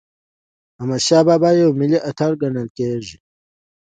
احمدشاه بابا یو ملي اتل ګڼل کېږي.